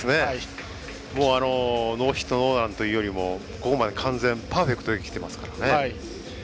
もうノーヒットノーランというよりもここまで完全、パーフェクトで来ていますからね。